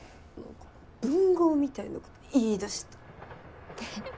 文豪みたいなこと言いだした。